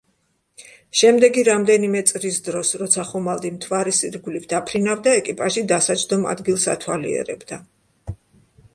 შემდეგი რამდენიმე წრის დროს, როცა ხომალდი მთვარის ირგვლივ დაფრინავდა, ეკიპაჟი დასაჯდომ ადგილს ათვალიერებდა.